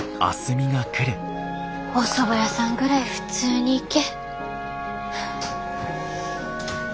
おそば屋さんぐらい普通に行け。